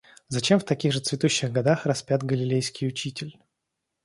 Зачем в таких же цветущих годах распят Галилейский учитель?